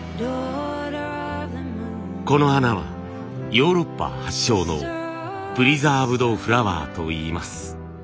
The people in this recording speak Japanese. この花はヨーロッパ発祥のプリザーブドフラワーといいます。